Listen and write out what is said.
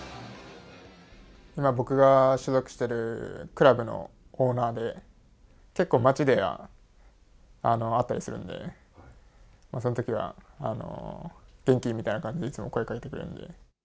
今、僕が所属しているクラブのオーナーで、結構、街で会ったりするんで、そのときは、元気？みたいな感じでいつも声かけてくれるんで。